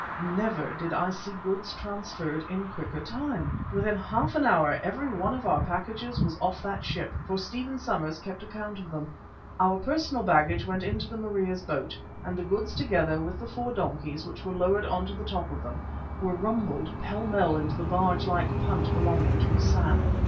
Never did I see goods transferred in quicker time. Within half an hour every one of our packages was off that ship, for Stephen Somers kept a count of them. Our personal baggage went into the Maria's boat, and the goods together with the four donkeys which were lowered on to the top of them, were rumbled pell mell into the barge like punt belonging to Hassan.